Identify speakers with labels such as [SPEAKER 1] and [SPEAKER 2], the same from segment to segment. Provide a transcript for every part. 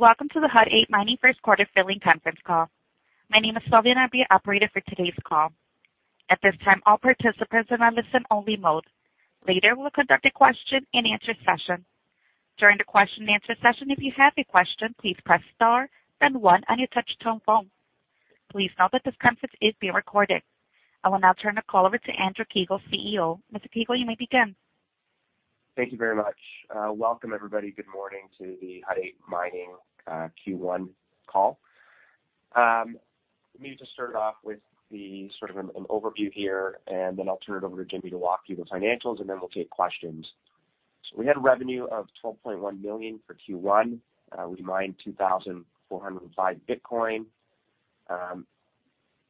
[SPEAKER 1] Welcome to the Hut 8 Mining first quarter filing conference call. My name is Fabiana, I'll be your operator for today's call. At this time, all participants are in listen only mode. Later, we'll conduct a question and answer session. During the question and answer session, if you have a question, please press star then one on your touch tone phone. Please note that this conference is being recorded. I will now turn the call over to Andrew Kiguel, CEO. Mr. Kiguel, you may begin.
[SPEAKER 2] Thank you very much. Welcome everybody. Good morning to the Hut 8 Mining Q1 call. Let me just start off with the sort of an overview here, and then I'll turn it over to Jimmy to walk through the financials, and then we'll take questions. We had revenue of 12.1 million for Q1. We mined 2,405 Bitcoin.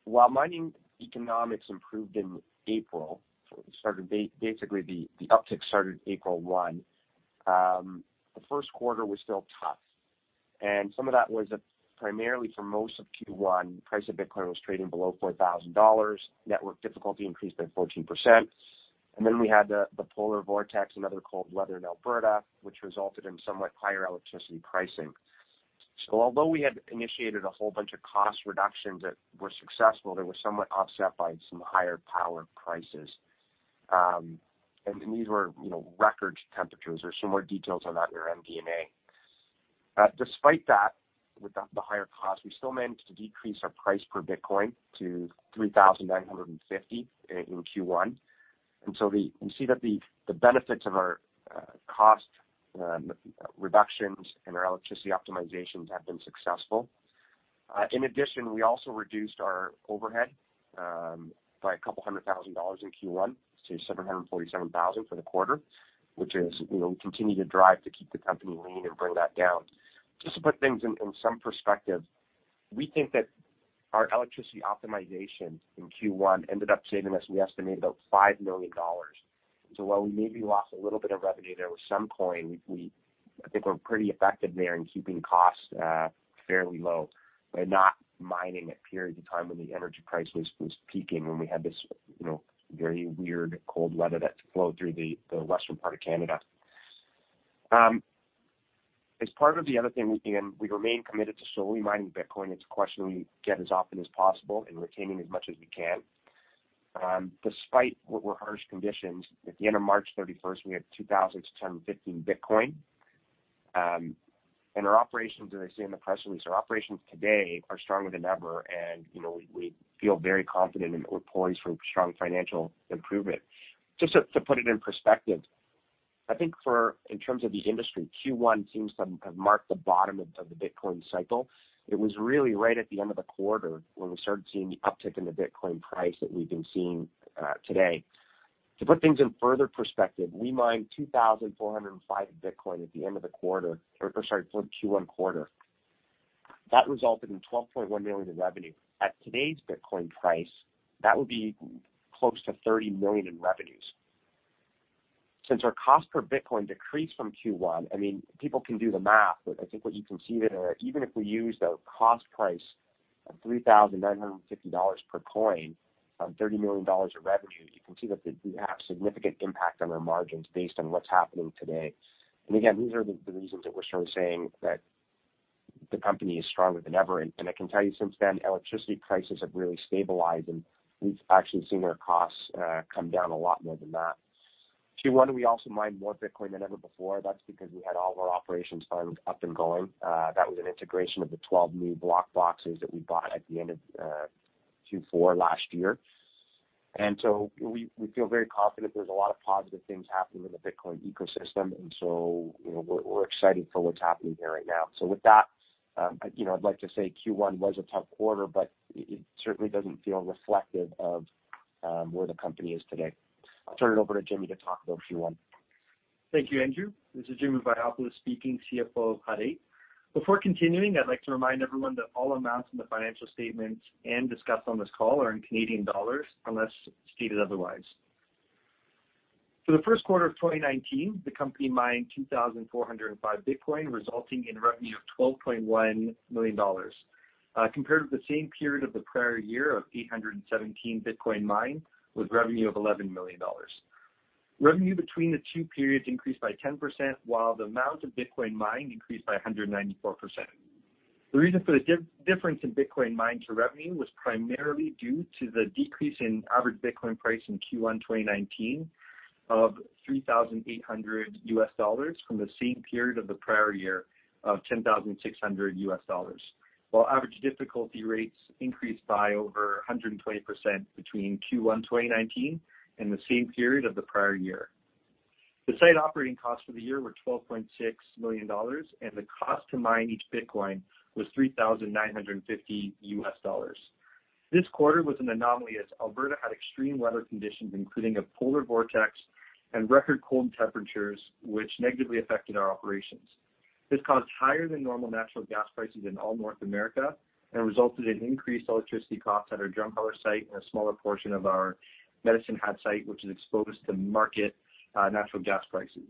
[SPEAKER 2] While mining economics improved in April, basically the uptick started April 1, the first quarter was still tough. Some of that was primarily for most of Q1, price of Bitcoin was trading below 4,000 dollars. Network difficulty increased by 14%. We had the polar vortex and other cold weather in Alberta, which resulted in somewhat higher electricity pricing. Although we had initiated a whole bunch of cost reductions that were successful, they were somewhat offset by some higher power prices. These were record temperatures. There's some more details on that in our MD&A. Despite that, with the higher cost, we still managed to decrease our price per Bitcoin to 3,950 in Q1. You see that the benefits of our cost reductions and our electricity optimizations have been successful. In addition, we also reduced our overhead, by a couple hundred thousand CAD in Q1 to 747,000 for the quarter, which is we continue to drive to keep the company lean and bring that down. Just to put things in some perspective, we think that our electricity optimization in Q1 ended up saving us, we estimate, about 5 million dollars. While we maybe lost a little bit of revenue there with some coin, I think we're pretty effective there in keeping costs fairly low by not mining at periods of time when the energy price was peaking, when we had this very weird cold weather that flowed through the western part of Canada. As part of the other thing, we remain committed to solely mining Bitcoin. It's a question we get as often as possible and retaining as much as we can. Despite what were harsh conditions, at the end of March 31st, we had 2,715 Bitcoin. Our operations, as I say in the press release, our operations today are stronger than ever, and we feel very confident and we're poised for strong financial improvement. Just to put it in perspective, I think for, in terms of the industry, Q1 seems to have marked the bottom of the Bitcoin cycle. It was really right at the end of the quarter when we started seeing the uptick in the Bitcoin price that we've been seeing today. To put things in further perspective, we mined 2,405 Bitcoin at the end of the quarter, or sorry, for the Q1 quarter. That resulted in 12.1 million in revenue. At today's Bitcoin price, that would be close to 30 million in revenues. Since our cost per Bitcoin decreased from Q1, people can do the math, but I think what you can see there, even if we use the cost price of 3,950 dollars per coin on 30 million dollars of revenue, you can see that we have significant impact on our margins based on what's happening today. Again, these are the reasons that we're sort of saying that the company is stronger than ever. I can tell you since then, electricity prices have really stabilized, and we've actually seen our costs come down a lot more than that. Q1, we also mined more Bitcoin than ever before. That's because we had all of our operations farms up and going. That was an integration of the 12 new BlockBox boxes that we bought at the end of Q4 last year. We feel very confident there's a lot of positive things happening in the Bitcoin ecosystem, we're excited for what's happening there right now. With that, I'd like to say Q1 was a tough quarter, but it certainly doesn't feel reflective of where the company is today. I'll turn it over to Jimmy to talk about Q1.
[SPEAKER 3] Thank you, Andrew. This is Jimmy Vaiopoulos speaking, CFO of Hut 8. Before continuing, I'd like to remind everyone that all amounts in the financial statements and discussed on this call are in Canadian dollars unless stated otherwise. For the first quarter of 2019, the company mined 2,405 Bitcoin, resulting in revenue of 12.1 million dollars, compared with the same period of the prior year of 817 Bitcoin mined with revenue of 11 million dollars. Revenue between the two periods increased by 10%, while the amount of Bitcoin mined increased by 194%. The reason for the difference in Bitcoin mined to revenue was primarily due to the decrease in average Bitcoin price in Q1 2019 of $3,800 from the same period of the prior year of $10,600, while average difficulty rates increased by over 120% between Q1 2019 and the same period of the prior year. The site operating costs for the year were 12.6 million dollars, and the cost to mine each Bitcoin was $3,950. This quarter was an anomaly as Alberta had extreme weather conditions, including a polar vortex and record cold temperatures, which negatively affected our operations. This caused higher than normal natural gas prices in all North America and resulted in increased electricity costs at our Drumheller site and a smaller portion of our Medicine Hat site, which is exposed to market natural gas prices.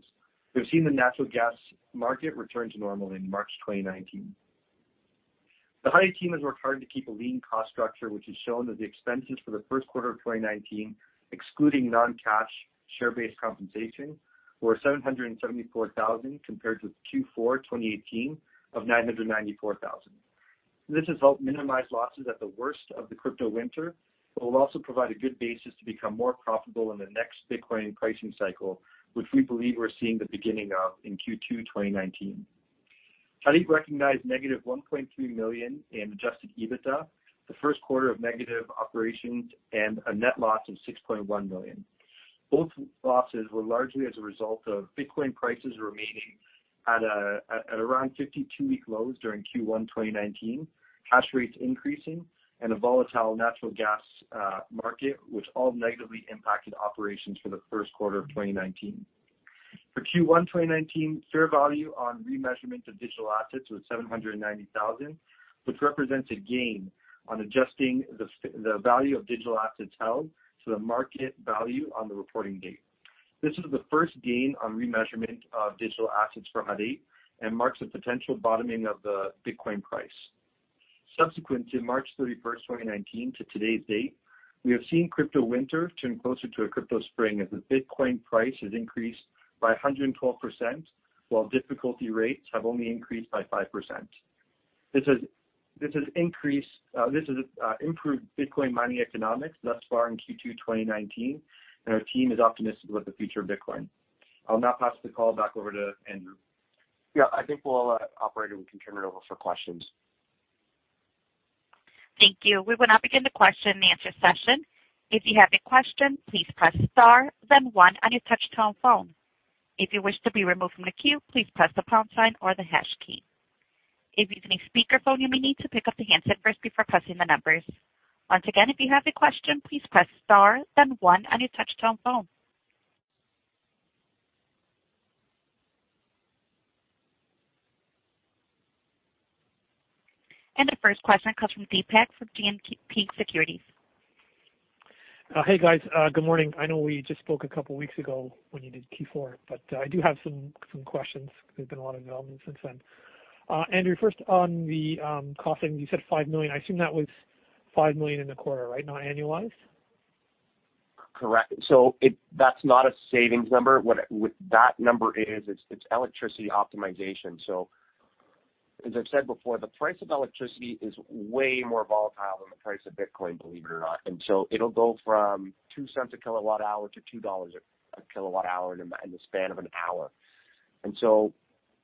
[SPEAKER 3] We've seen the natural gas market return to normal in March 2019. The Hut 8 team has worked hard to keep a lean cost structure, which has shown that the expenses for the first quarter of 2019, excluding non-cash share-based compensation, were 774,000 compared with Q4 2018 of 994,000. This has helped minimize losses at the worst of the crypto winter, but will also provide a good basis to become more profitable in the next Bitcoin pricing cycle, which we believe we're seeing the beginning of in Q2 2019. Hut 8 recognized negative 1.3 million in adjusted EBITDA, the first quarter of negative operations, and a net loss of 6.1 million. Both losses were largely as a result of Bitcoin prices remaining at around 52-week lows during Q1 2019, hash rates increasing, and a volatile natural gas market, which all negatively impacted operations for the first quarter of 2019. For Q1 2019, fair value on remeasurement of digital assets was 790,000, which represents a gain on adjusting the value of digital assets held to the market value on the reporting date. This is the first gain on remeasurement of digital assets for Hut 8 and marks a potential bottoming of the Bitcoin price. Subsequent to March 31st, 2019 to today's date, we have seen crypto winter turn closer to a crypto spring as the Bitcoin price has increased by 112%, while difficulty rates have only increased by 5%. This has improved Bitcoin mining economics thus far in Q2 2019, and our team is optimistic about the future of Bitcoin. I'll now pass the call back over to Andrew.
[SPEAKER 2] Yeah, I think we'll, operator, we can turn it over for questions.
[SPEAKER 1] Thank you. We will now begin the question and answer session. If you have a question, please press star then one on your touch-tone phone. If you wish to be removed from the queue, please press the pound sign or the hash key. If using a speakerphone, you may need to pick up the handset first before pressing the numbers. Once again, if you have a question, please press star then one on your touch-tone phone. The first question comes from Deepak from GMP Securities.
[SPEAKER 4] Hey, guys. Good morning. I know we just spoke a couple weeks ago when you did Q4, I do have some questions because there's been a lot of development since then. Andrew, first on the costing, you said 5 million. I assume that was 5 million in the quarter, right, not annualized?
[SPEAKER 2] Correct. That's not a savings number. What that number is, it's electricity optimization. As I've said before, the price of electricity is way more volatile than the price of Bitcoin, believe it or not. It'll go from 0.02 a kilowatt hour to 2.00 dollars a kilowatt hour in the span of an hour.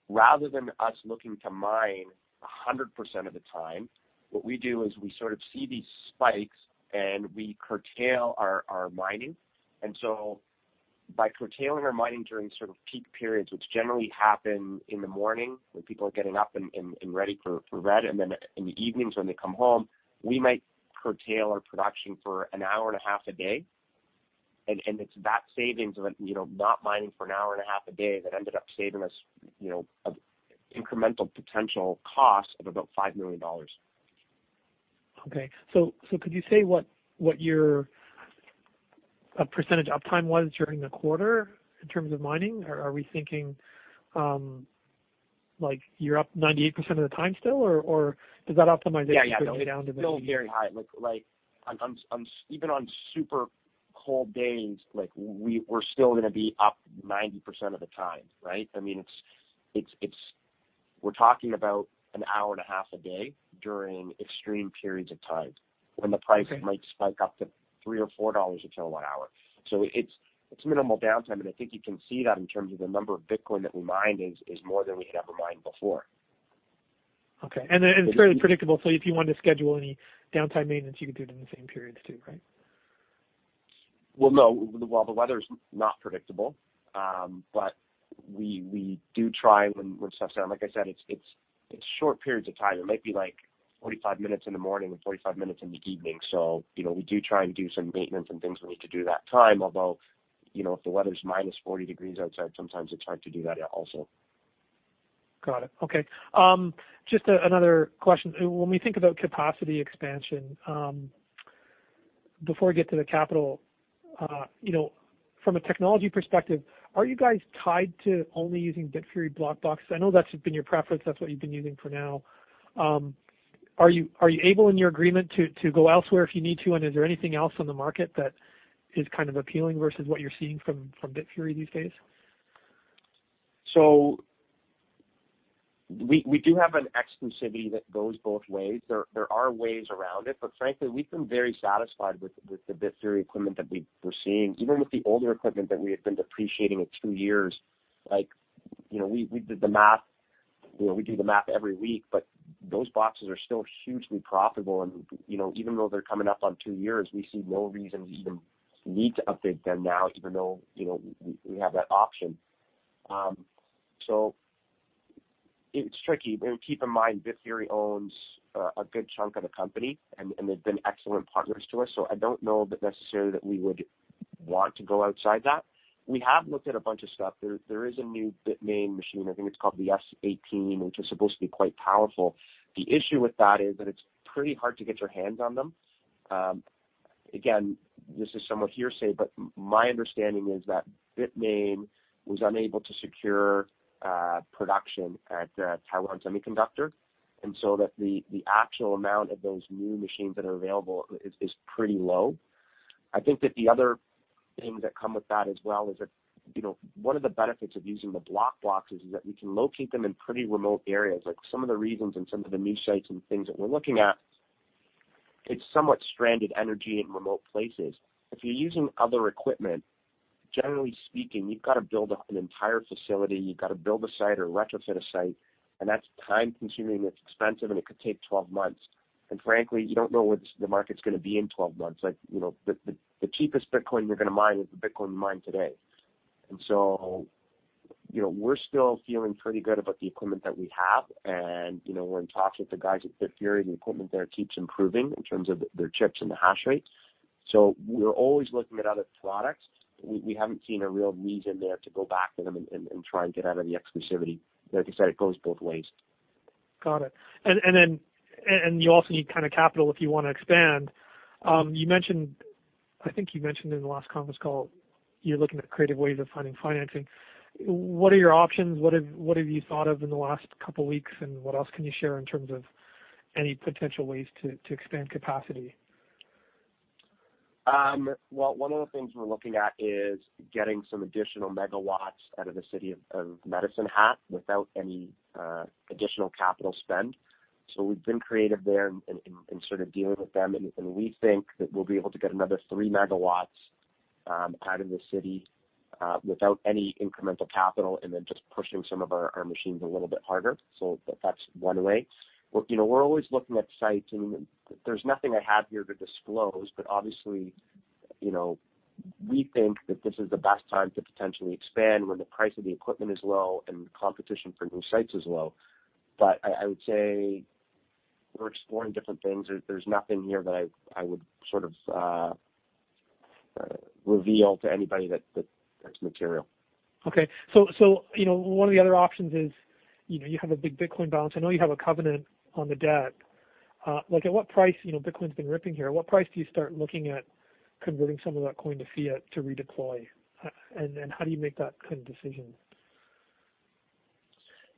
[SPEAKER 2] Rather than us looking to mine 100% of the time, what we do is we sort of see these spikes and we curtail our mining. By curtailing our mining during sort of peak periods, which generally happen in the morning when people are getting up and ready for that, and then in the evenings when they come home, we might curtail our production for an hour and a half a day. It's that savings of not mining for an hour and a half a day that ended up saving us an incremental potential cost of about 5 million dollars.
[SPEAKER 4] Okay. Could you say what your percentage uptime was during the quarter in terms of mining? Are we thinking you're up 98% of the time still, or does that optimization.
[SPEAKER 2] Yeah.
[SPEAKER 4] go down to.
[SPEAKER 2] It's still very high. Even on super cold days, we're still going to be up 90% of the time, right? We're talking about an hour and a half a day during extreme periods of time when the price-
[SPEAKER 4] Okay
[SPEAKER 2] might spike up to 3 or 4 dollars a kilowatt hour. It's minimal downtime, and I think you can see that in terms of the number of Bitcoin that we mined is more than we've ever mined before.
[SPEAKER 4] Okay. It's fairly predictable, so if you wanted to schedule any downtime maintenance, you could do it in the same periods, too, right?
[SPEAKER 2] Well, no. Well, the weather's not predictable. We do try when stuff's down. Like I said, it's short periods of time. It might be 45 minutes in the morning and 45 minutes in the evening. We do try and do some maintenance and things we need to do that time, although, if the weather's -40 degrees outside, sometimes it's hard to do that also.
[SPEAKER 4] Got it. Okay. Just another question. When we think about capacity expansion, before we get to the capital, from a technology perspective, are you guys tied to only using Bitfury BlockBoxes? I know that's been your preference. That's what you've been using for now. Are you able in your agreement to go elsewhere if you need to, and is there anything else on the market that is kind of appealing versus what you're seeing from Bitfury these days?
[SPEAKER 2] We do have an exclusivity that goes both ways. There are ways around it, but frankly, we've been very satisfied with the Bitfury equipment that we're seeing. Even with the older equipment that we had been depreciating at two years, we did the math. We do the math every week, those boxes are still hugely profitable, and even though they're coming up on two years, we see no reason we even need to update them now, even though we have that option. It's tricky. Keep in mind, Bitfury owns a good chunk of the company, and they've been excellent partners to us, so I don't know that necessarily that we would want to go outside that. We have looked at a bunch of stuff. There is a new Bitmain machine, I think it's called the S18, which is supposed to be quite powerful. The issue with that is that it's pretty hard to get your hands on them. Again, this is somewhat hearsay, my understanding is that Bitmain was unable to secure production at Taiwan Semiconductor, the actual amount of those new machines that are available is pretty low. I think that the other thing that come with that as well is that one of the benefits of using the BlockBoxes is that we can locate them in pretty remote areas, like some of the regions and some of the new sites and things that we're looking at, it's somewhat stranded energy in remote places. If you're using other equipment, generally speaking, you've got to build up an entire facility. You've got to build a site or retrofit a site, and that's time-consuming, it's expensive, and it could take 12 months. Frankly, you don't know what the market's going to be in 12 months. The cheapest Bitcoin you're going to mine is the Bitcoin mined today. We're still feeling pretty good about the equipment that we have, and we're in talks with the guys at Bitfury. The equipment there keeps improving in terms of their chips and the hash rate. We're always looking at other products. We haven't seen a real need in there to go back to them and try and get out of the exclusivity. Like I said, it goes both ways.
[SPEAKER 4] Got it. You also need capital if you want to expand. I think you mentioned in the last conference call, you're looking at creative ways of finding financing. What are your options? What have you thought of in the last couple of weeks, what else can you share in terms of any potential ways to expand capacity?
[SPEAKER 2] Well, one of the things we're looking at is getting some additional megawatts out of the city of Medicine Hat without any additional capital spend. We've been creative there in dealing with them, we think that we'll be able to get another 3 megawatts out of the city without any incremental capital, then just pushing some of our machines a little bit harder. That's one way. We're always looking at sites, there's nothing I have here to disclose, obviously, we think that this is the best time to potentially expand when the price of the equipment is low and the competition for new sites is low. I would say we're exploring different things. There's nothing here that I would reveal to anybody that's material.
[SPEAKER 4] Okay. One of the other options is you have a big Bitcoin balance. I know you have a covenant on the debt. Bitcoin's been ripping here. At what price do you start looking at converting some of that coin to fiat to redeploy? How do you make that kind of decision?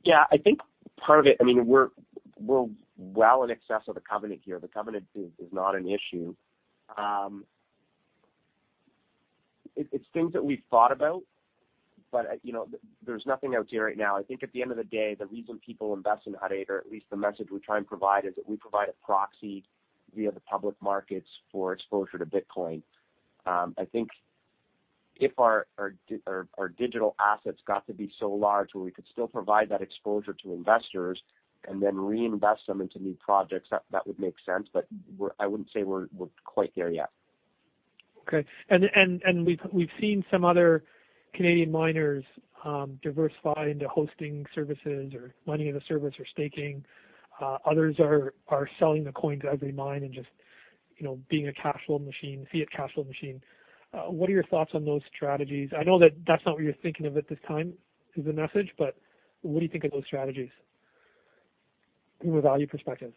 [SPEAKER 2] Yeah, I think part of it, we're well in excess of the covenant here. The covenant is not an issue. It's things that we've thought about, there's nothing out there right now. I think at the end of the day, the reason people invest in Hut 8, or at least the message we try and provide, is that we provide a proxy via the public markets for exposure to Bitcoin. I think if our digital assets got to be so large where we could still provide that exposure to investors and then reinvest them into new projects, that would make sense. I wouldn't say we're quite there yet.
[SPEAKER 4] We've seen some other Canadian miners diversify into hosting services or mining as a service or staking. Others are selling the coins as they mine and just being a fiat cash flow machine. What are your thoughts on those strategies? I know that that's not what you're thinking of at this time, is the message, but what do you think of those strategies from a value perspective?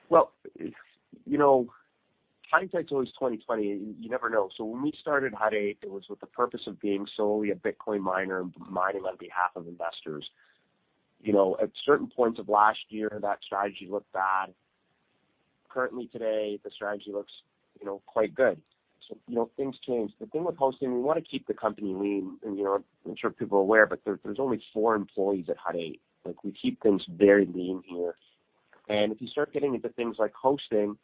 [SPEAKER 2] Well, hindsight's always 20/20. You never know. When we started Hut 8, it was with the purpose of being solely a Bitcoin miner, mining on behalf of investors. At certain points of last year, that strategy looked bad. Currently today, the strategy looks quite good. Things change. The thing with hosting, we want to keep the company lean, and I'm sure people are aware, but there's only four employees at Hut 8. We keep things very lean here. If you start getting into things like hosting,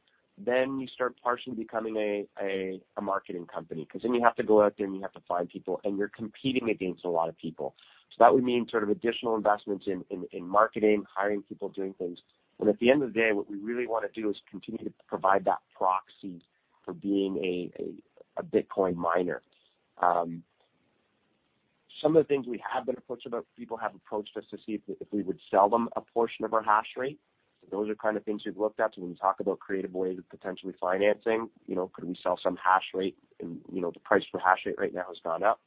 [SPEAKER 2] then you start partially becoming a marketing company, because then you have to go out there and you have to find people, and you're competing against a lot of people. That would mean additional investments in marketing, hiring people, doing things. At the end of the day, what we really want to do is continue to provide that proxy for being a Bitcoin miner. Some of the things we have been approached about, people have approached us to see if we would sell them a portion of our hash rate. Those are kind of things we've looked at. When we talk about creative ways of potentially financing, could we sell some hash rate? The price for hash rate right now has gone up.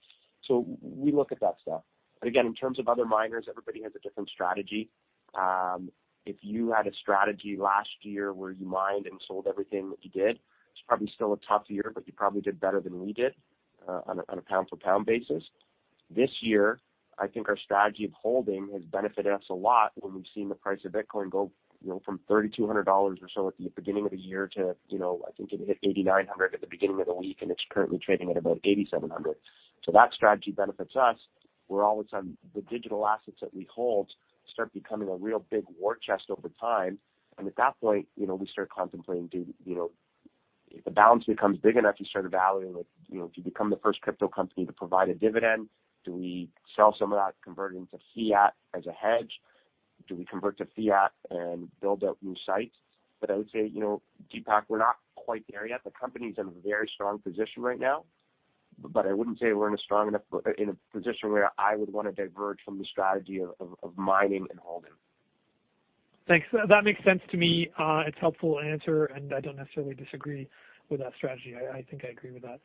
[SPEAKER 2] We look at that stuff. Again, in terms of other miners, everybody has a different strategy. If you had a strategy last year where you mined and sold everything that you did, it's probably still a tough year, but you probably did better than we did on a pound-for-pound basis. This year, I think our strategy of holding has benefited us a lot when we've seen the price of Bitcoin go from $3,200 or so at the beginning of the year to, I think it hit $8,900 at the beginning of the week, and it's currently trading at about $8,700. That strategy benefits us, where all of a sudden, the digital assets that we hold start becoming a real big war chest over time. At that point, we start contemplating, if the balance becomes big enough, you start evaluating, do you become the first crypto company to provide a dividend? Do we sell some of that, convert it into fiat as a hedge? Do we convert to fiat and build out new sites? I would say, Deepak, we're not quite there yet. The company's in a very strong position right now, but I wouldn't say we're in a position where I would want to diverge from the strategy of mining and holding.
[SPEAKER 4] Thanks. That makes sense to me. It's a helpful answer, and I don't necessarily disagree with that strategy. I think I agree with that.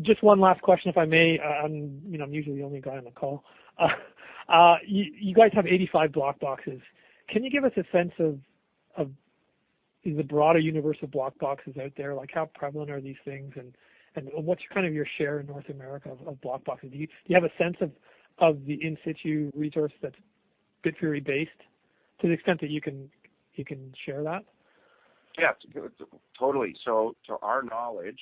[SPEAKER 4] Just one last question, if I may. I'm usually the only guy on the call. You guys have 85 BlockBoxes. Can you give us a sense of the broader universe of BlockBoxes out there? How prevalent are these things, and what's your share in North America of BlockBoxes? Do you have a sense of the in-situ resource that's Bitfury based, to the extent that you can share that?
[SPEAKER 2] Yeah. Totally. To our knowledge,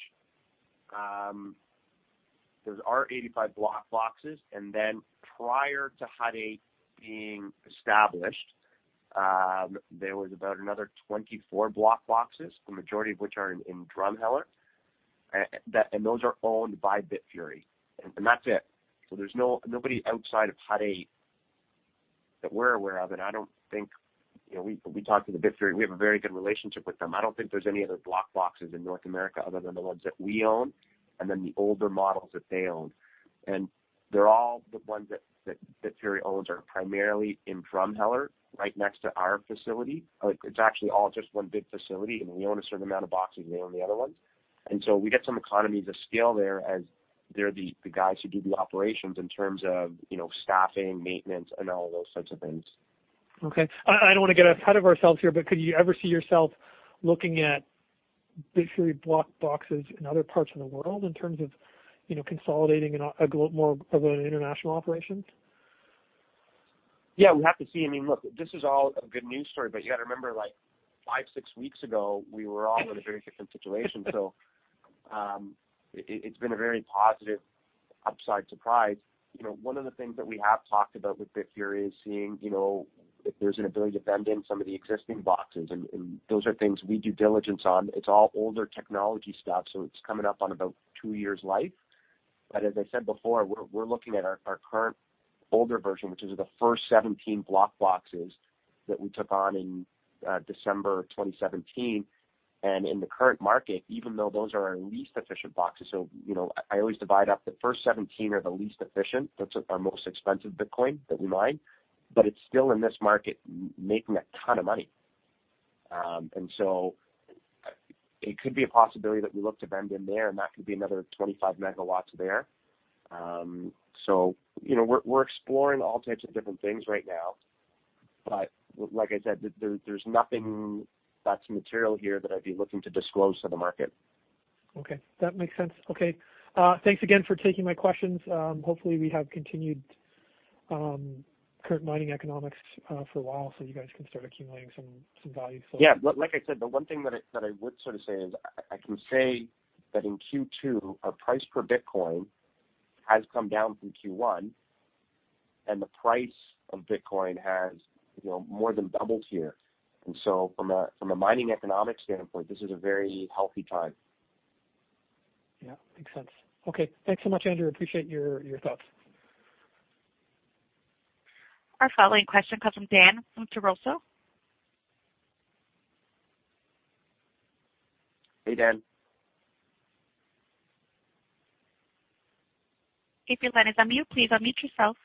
[SPEAKER 2] there are 85 BlockBoxes, and then prior to Hut 8 being established, there was about another 24 BlockBoxes, the majority of which are in Drumheller, and those are owned by Bitfury. That's it. There's nobody outside of Hut 8 that we're aware of, and we talk to the Bitfury. We have a very good relationship with them. I don't think there's any other BlockBoxes in North America other than the ones that we own, and then the older models that they own. The ones that Bitfury owns are primarily in Drumheller, right next to our facility. It's actually all just one big facility, and we own a certain amount of boxes, and they own the other ones. We get some economies of scale there as they're the guys who do the operations in terms of staffing, maintenance, and all those sorts of things.
[SPEAKER 4] Okay. I don't want to get ahead of ourselves here, but could you ever see yourself looking at Bitfury BlockBoxes in other parts of the world in terms of consolidating a more of an international operation?
[SPEAKER 2] Yeah, we have to see. Look, this is all a good news story, but you got to remember, five, six weeks ago, we were all in a very different situation. It's been a very positive upside surprise. One of the things that we have talked about with Bitfury is seeing if there's an ability to bend in some of the existing boxes, and those are things we do diligence on. It's all older technology stuff, so it's coming up on about two years life. As I said before, we're looking at our current older version, which is the first 17 BlockBoxes that we took on in December 2017. In the current market, even though those are our least efficient boxes, so I always divide up the first 17 are the least efficient, that's our most expensive Bitcoin that we mine, but it's still in this market making a ton of money. It could be a possibility that we look to bend in there, and that could be another 25 MW there. We're exploring all types of different things right now, but like I said, there's nothing that's material here that I'd be looking to disclose to the market.
[SPEAKER 4] Okay. That makes sense. Okay. Thanks again for taking my questions. Hopefully we have continued current mining economics for a while so you guys can start accumulating some value.
[SPEAKER 2] Like I said, the one thing that I would say is, I can say that in Q2, our price per Bitcoin has come down from Q1, and the price of Bitcoin has more than doubled here. From a mining economic standpoint, this is a very healthy time.
[SPEAKER 4] Makes sense. Okay. Thanks so much, Andrew. Appreciate your thoughts.
[SPEAKER 1] Our following question comes from Dan from Terroso.
[SPEAKER 2] Hey, Dan.
[SPEAKER 1] If your line is on mute, please unmute yourself.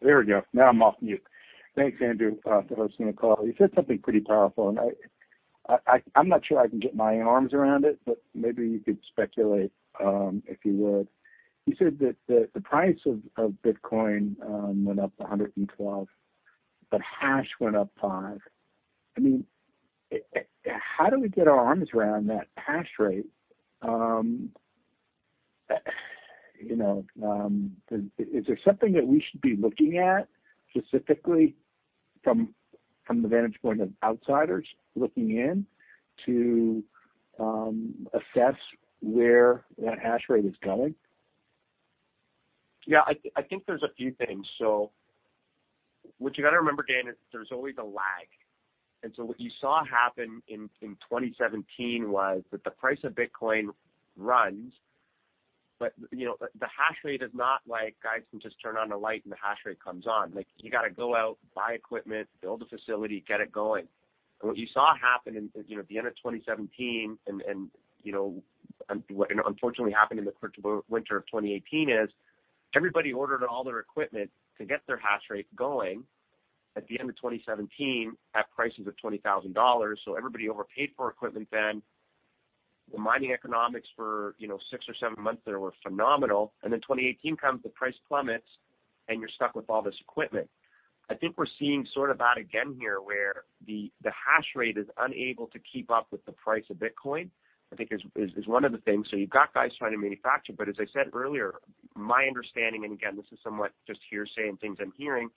[SPEAKER 5] There we go. Now I'm off mute. Thanks, Andrew, for hosting the call. You said something pretty powerful, and I'm not sure I can get my arms around it, but maybe you could speculate, if you would. You said that the price of Bitcoin went up 112, hash went up five. How do we get our arms around that hash rate? Is there something that we should be looking at specifically from the vantage point of outsiders looking in to assess where that hash rate is going?
[SPEAKER 2] Yeah, I think there's a few things. What you got to remember, Dan, is there's always a lag. What you saw happen in 2017 was that the price of Bitcoin runs, but the hash rate is not like guys can just turn on a light and the hash rate comes on. You got to go out, buy equipment, build a facility, get it going. What you saw happen at the end of 2017 and what unfortunately happened in the winter of 2018 is everybody ordered all their equipment to get their hash rate going at the end of 2017 at prices of 20,000 dollars. Everybody overpaid for equipment then. The mining economics for six or seven months there were phenomenal, 2018 comes, the price plummets, and you're stuck with all this equipment. I think we're seeing that again here, where the hash rate is unable to keep up with the price of Bitcoin, I think is one of the things. You've got guys trying to manufacture, as I said earlier, my understanding, and again, this is somewhat just hearsay and things I'm hearing,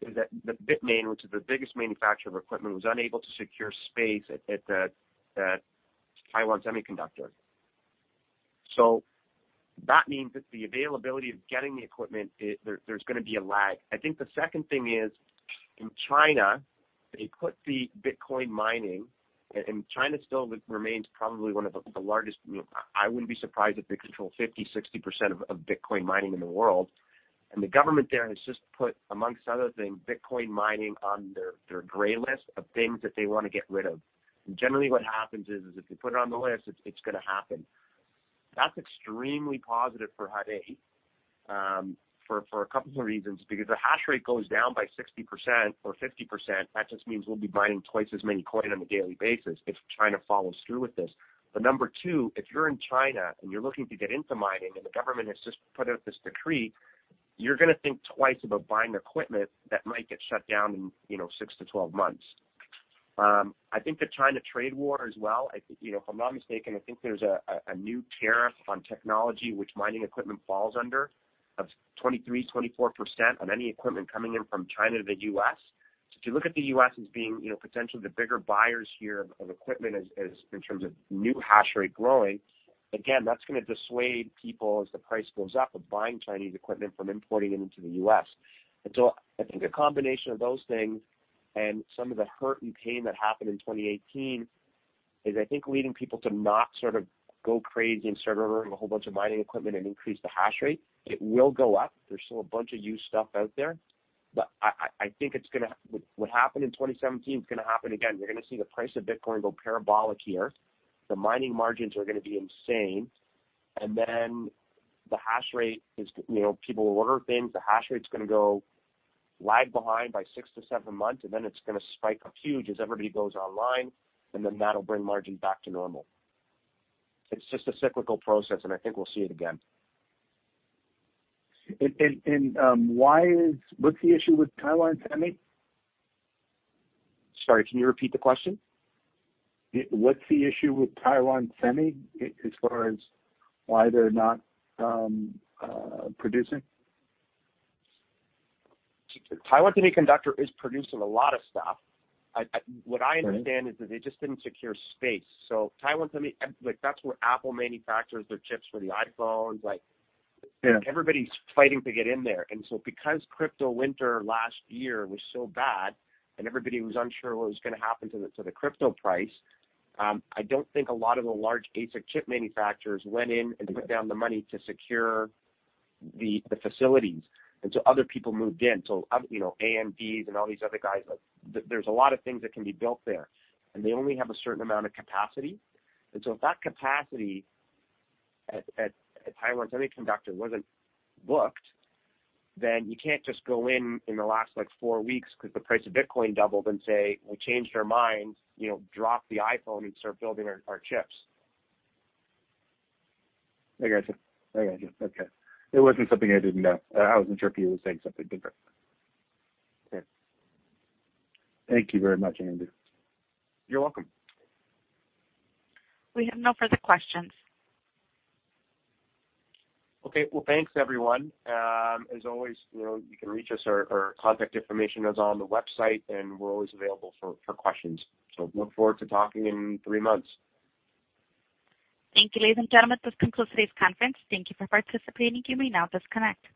[SPEAKER 2] is that Bitmain, which is the biggest manufacturer of equipment, was unable to secure space at Taiwan Semiconductor. That means that the availability of getting the equipment, there's going to be a lag. I think the second thing is, in China, they put the Bitcoin mining, China still remains probably one of the largest, I wouldn't be surprised if they control 50%-60% of Bitcoin mining in the world. The government there has just put, amongst other things, Bitcoin mining on their gray list of things that they want to get rid of. Generally what happens is, if you put it on the list, it's going to happen. That's extremely positive for Hut 8 for a couple of reasons, because if the hash rate goes down by 60% or 50%, that just means we'll be mining twice as many coin on a daily basis if China follows through with this. Number two, if you're in China and you're looking to get into mining and the government has just put out this decree, you're going to think twice about buying equipment that might get shut down in six to 12 months. I think the China trade war as well, if I'm not mistaken, I think there's a new tariff on technology, which mining equipment falls under, of 23%, 24% on any equipment coming in from China to the U.S. If you look at the U.S. as being potentially the bigger buyers here of equipment in terms of new hash rate growing, again, that's going to dissuade people as the price goes up of buying Chinese equipment from importing it into the U.S. I think a combination of those things and some of the hurt and pain that happened in 2018 is, I think, leading people to not go crazy and start ordering a whole bunch of mining equipment and increase the hash rate. It will go up. There's still a bunch of used stuff out there, but I think what happened in 2017 is going to happen again. You're going to see the price of Bitcoin go parabolic here. The mining margins are going to be insane. People will order things, the hash rate's going to lag behind by six to seven months, it's going to spike up huge as everybody goes online, that'll bring margins back to normal. It's just a cyclical process, and I think we'll see it again.
[SPEAKER 5] What's the issue with Taiwan Semi?
[SPEAKER 2] Sorry, can you repeat the question?
[SPEAKER 5] What's the issue with Taiwan Semi as far as why they're not producing?
[SPEAKER 2] Taiwan Semiconductor is producing a lot of stuff.
[SPEAKER 5] Okay.
[SPEAKER 2] What I understand is that they just didn't secure space. Taiwan Semi, that's where Apple manufactures their chips for the iPhones.
[SPEAKER 5] Yeah.
[SPEAKER 2] Everybody's fighting to get in there. Because crypto winter last year was so bad and everybody was unsure what was going to happen to the crypto price, I don't think a lot of the large ASIC chip manufacturers went in and put down the money to secure the facilities. Other people moved in, so AMDs and all these other guys. There's a lot of things that can be built there, and they only have a certain amount of capacity. If that capacity at Taiwan Semiconductor wasn't booked, then you can't just go in in the last four weeks because the price of Bitcoin doubled and say, "We changed our mind, drop the iPhone and start building our chips.
[SPEAKER 5] I got you. Okay. It wasn't something I didn't know. I was interpreting you were saying something different. Okay. Thank you very much, Andrew.
[SPEAKER 2] You're welcome.
[SPEAKER 1] We have no further questions.
[SPEAKER 2] Okay. Well, thanks everyone. As always, you can reach us, our contact information is on the website, and we're always available for questions. Look forward to talking in three months.
[SPEAKER 1] Thank you, ladies and gentlemen. This concludes today's conference. Thank you for participating. You may now disconnect.